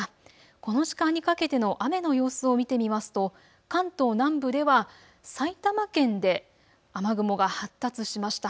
この時間にかけての雨の様子を見てみますと関東南部では埼玉県で雨雲が発達しました。